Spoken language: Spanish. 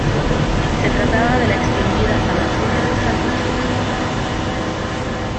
Se trataba de la extinguida "San Antonio del Salto Chico".